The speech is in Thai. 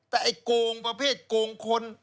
แต่ไอ้โกงประเภทโกงคน